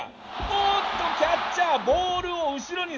おっとキャッチャーボールを後ろにそらした！